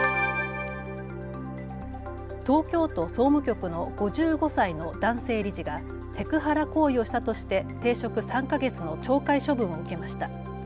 東京都総務局の５５歳の男性理事がセクハラ行為をしたとして停職３か月の懲戒処分を受けました。